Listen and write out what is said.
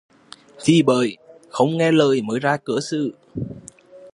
Thì bởi, không nghe lời mới ra cớ sự